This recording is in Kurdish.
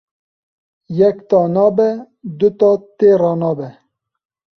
Yek ta nabe du ta tê ranabe.